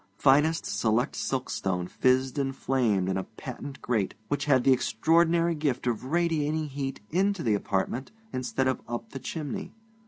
Finest selected silkstone fizzed and flamed in a patent grate which had the extraordinary gift of radiating heat into the apartment instead of up the chimney.